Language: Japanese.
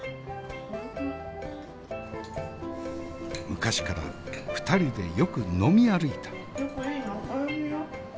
昔から２人でよく呑み歩いた。